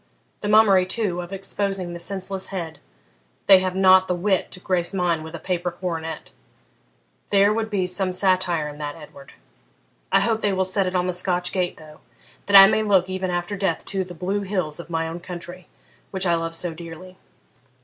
The mummery, too, of exposing the senseless head they have not the wit to grace mine with a paper coronet; there would be some satire in that, Edward. I hope they will set it on the Scotch gate though, that I may look, even after death, to the blue hills of my own country, which I love so dearly.